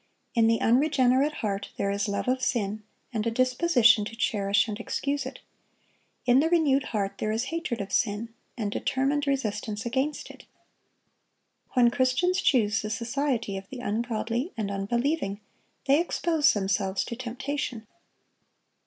In the unregenerate heart there is love of sin, and a disposition to cherish and excuse it. In the renewed heart there is hatred of sin, and determined resistance against it. When Christians choose the society of the ungodly and unbelieving, they expose themselves to temptation.